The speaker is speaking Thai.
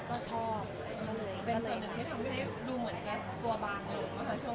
เป็นตัวหนึ่งที่ทำให้ดูเหมือนจะตัวบางเลย